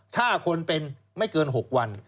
ถ้าคนเป็นไม่เกิน๖วัน